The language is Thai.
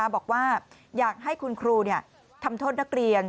บอกว่าอยากให้คุณครูทำโทษนักเรียน